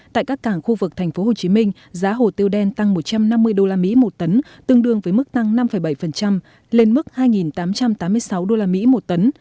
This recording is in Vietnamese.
tại các cảng khu vực tp hcm giá hồ tiêu đen tăng một trăm năm mươi usd một tấn tương đương với mức tăng năm bảy lên mức hai tám trăm tám mươi sáu usd một tấn